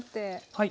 はい。